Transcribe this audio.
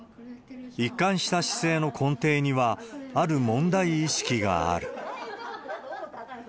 一貫した姿勢の根底には、ある問題意識がある。